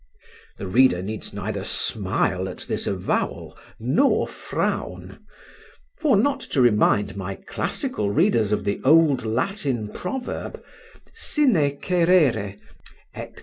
The reader needs neither smile at this avowal nor frown; for, not to remind my classical readers of the old Latin proverb, "Sine cerere," &c.